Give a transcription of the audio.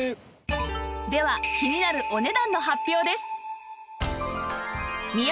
では気になるお値段の発表です